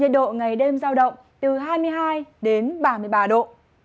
nhiệt độ ngày đêm giao động từ hai mươi hai đến ba mươi ba độ